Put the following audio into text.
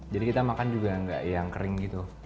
jadi kita makan juga gak yang kering gitu